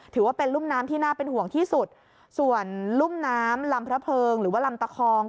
ถือว่าเป็นรุ่มน้ำที่น่าเป็นห่วงที่สุดส่วนลุ่มน้ำลำพระเพิงหรือว่าลำตะคอง